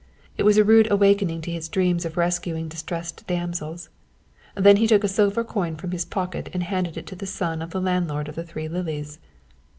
It was a rude awakening to his dreams of rescuing distressed damsels. Then he took a silver coin from his pocket and handed it to the son of the landlord of The Three Lilies.